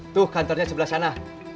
tuh kantornya sebelah sana